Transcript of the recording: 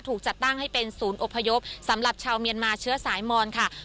ถูกจัดตั้งให้เป็นศูนย์อบพยพสำหรับชาวเมียนมาเชื้อสายมอนค่ะ